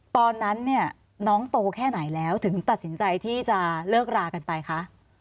ตอนนั้นเนี่ยน้องโตแค่ไหนแล้วถึงตัดสินใจที่จะเลิกรากันไปคะ